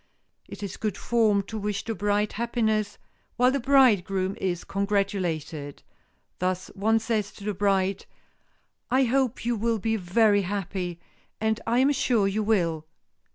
It is good form to wish the bride happiness, while the bridegroom is congratulated. Thus one says to the bride, "I hope you will be very happy,—and I am sure you will."